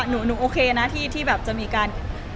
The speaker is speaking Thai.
หนูโอเคนะที่แบบจะมีการ